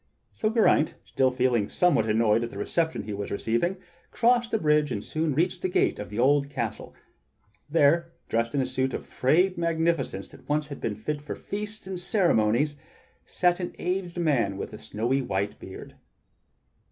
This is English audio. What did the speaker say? So Geraint, still feeling somewhat annoyed at the reception he was receiving, crossed the bridge and soon reached the gate of the old castle. There, dressed in a suit of frayed magnificence that once had been fit for feasts and ceremonies, sat an aged man with a snowy white beard.